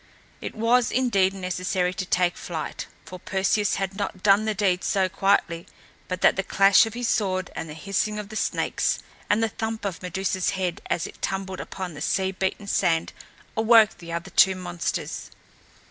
It was, indeed, necessary to take flight, for Perseus had not done the deed so quietly but that the clash of his sword and the hissing of the snakes and the thump of Medusa's head as it tumbled upon the sea beaten sand awoke the other two monsters.